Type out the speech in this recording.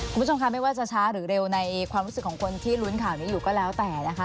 คุณผู้ชมค่ะไม่ว่าจะช้าหรือเร็วในความรู้สึกของคนที่ลุ้นข่าวนี้อยู่ก็แล้วแต่นะคะ